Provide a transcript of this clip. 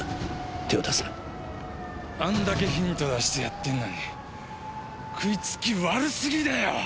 あんだけヒント出してやってんのに食いつき悪すぎだよ！